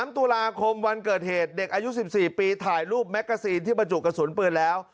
๓ตุลาคมวันเกิดเหตุเด็กอายุ๑๔ปีถ่ายรูปแมกกาซีนที่บรรจุกระสุนปืนแล้ว